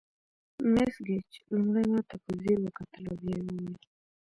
مس ګیج لومړی ماته په ځیر وکتل او بیا یې وویل.